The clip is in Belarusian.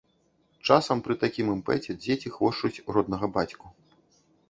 Часам пры такім імпэце дзеці хвошчуць роднага бацьку.